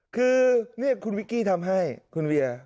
คือนี่คุณวิกกี้ทำให้คุณเวีย